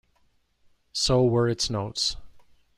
So were its notes.